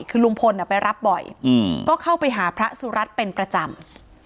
คือลุงพลไปรับบ่อยก็เข้าไปหาพระสุรัตน์เป็นประจำ